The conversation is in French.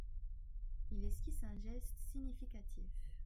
Il esquisse un geste significatif.